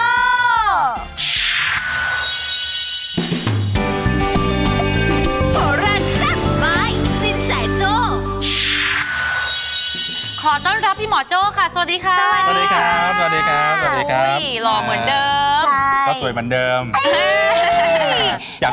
ขอต้องรับที่หมอโจ๊ค่ะสวัสดีครับเฮ้ยหลอเหมือนเดิมเรื่องเดิมจาก